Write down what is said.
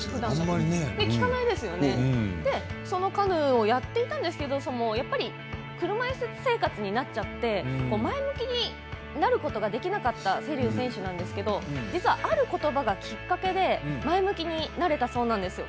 そのカヌーをやっていたんですけど、やっぱり車いす生活になっちゃって前向きになることができなかった瀬立選手なんですが実はあることばがきっかけで前向きになれたそうなんですよ。